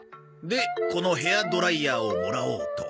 でこのヘアドライヤーをもらおうと。